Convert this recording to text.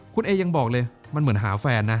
คุณเอยังบอกเลยมันเหมือนหาแฟนนะ